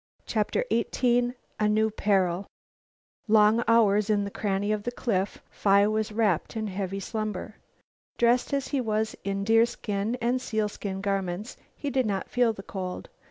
CHAPTER XVIII A NEW PERIL Long hours in the cranny of the cliff Phi was wrapped in heavy slumber. Dressed as he was in deerskin and sealskin garments, he did not feel the cold.